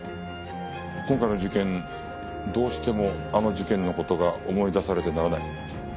今回の事件どうしてもあの事件の事が思い出されてならない。